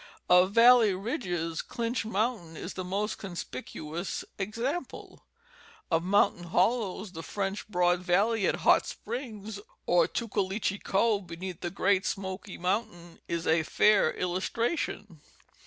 Of valley ridges, Clinch mountain is the most conspicuous example ; of mountain hollows the French Broad valley at Hot Springs, or Tuckaleechee Cove beneath the Great Smoky mountain, is a fair illustration.